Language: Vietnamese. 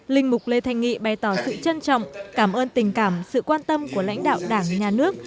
linh mục lê thanh nghị bày tỏ sự trân trọng cảm ơn tình cảm sự quan tâm của lãnh đạo đảng nhà nước